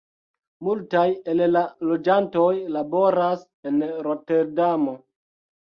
Multaj el la loĝantoj laboras en Roterdamo.